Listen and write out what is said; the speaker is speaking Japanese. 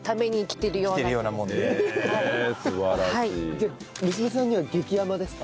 じゃあ娘さんには激甘ですか？